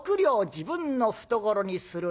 自分の懐にするという。